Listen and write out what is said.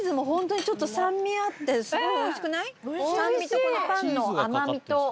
酸味とこのパンの甘味と。